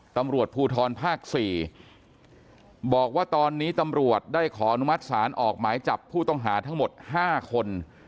ตำรวจภูทรภาค๔บอกว่าตอนนี้ตำรวจได้ขออนุมัติศาลออกหมายจับผู้ต้องหาทั้งหมด๕คน